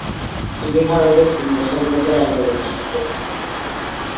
তিনি ভারতের পূর্ণ স্বাধীনতার আন্দোলন শুরু করবেন।